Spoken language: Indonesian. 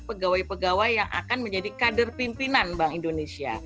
pegawai pegawai yang akan menjadi kader pimpinan bank indonesia